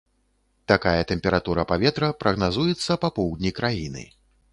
Такая тэмпература паветра прагназуецца па поўдні краіны.